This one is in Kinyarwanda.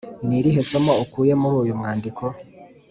ni irihe somo ukuye muri uyu mwandiko?